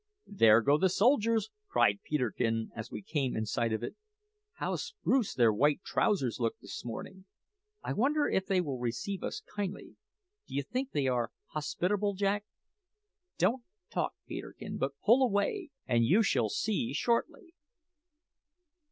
"There go the soldiers!" cried Peterkin as we came in sight of it. "How spruce their white trousers look this morning! I wonder if they will receive us kindly? D'you think they are hospitable, Jack?" "Don't talk, Peterkin, but pull away, and you shall see shortly."